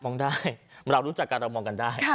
มองได้เรารู้จักกันเรามองกันได้